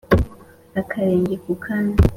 Akarenge ku kandi